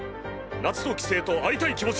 「夏と帰省と会いたい気持ち」。